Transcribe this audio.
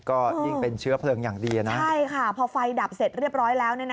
ก็ยิ่งเป็นเชื้อเพลิงอย่างดีนะใช่ค่ะพอไฟดับเสร็จเรียบร้อยแล้ว